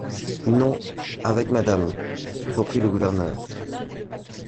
Non, avec madame, reprit le gouverneur.